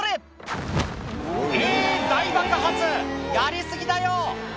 えー、大爆発、やり過ぎだよ。